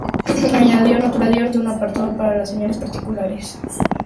Añadió naturalmente un apartado para las señales particulares.